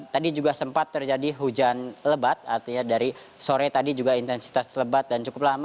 tadi juga sempat terjadi hujan lebat artinya dari sore tadi juga intensitas lebat dan cukup lama